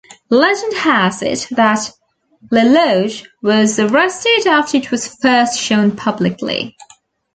Legend has it that Lelouch was arrested after it was first shown publicly.